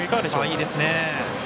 いいですね。